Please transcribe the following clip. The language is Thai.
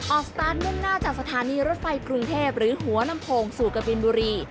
สตาร์ทมุ่งหน้าจากสถานีรถไฟกรุงเทพหรือหัวลำโพงสู่กบินบุรี